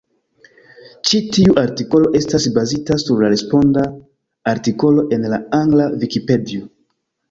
Ĉi tiu artikolo estas bazita sur la responda artikolo en la angla Vikipedio.